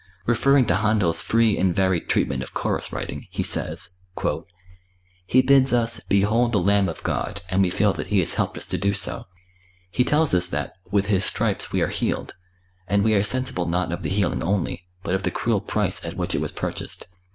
Referring to Händel's free and varied treatment of chorus writing, he says: "He bids us 'Behold the Lamb of God' and we feel that he has helped us to do so. He tells us that 'With His stripes we are healed,' and we are sensible not of the healing only, but of the cruel price at which it was purchased.